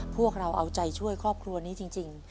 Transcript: พวกเราเอาใจช่วยครอบครัวนี้จริง